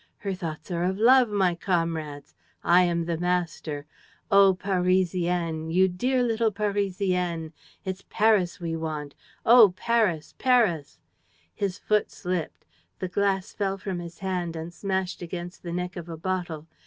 Her thoughts are of love, my comrades! I am the master! Oh, Parisienne! ... You dear little Parisienne! ... It's Paris we want! ... Oh, Paris, Paris! ..." His foot slipped. The glass fell from his hand and smashed against the neck of a bottle.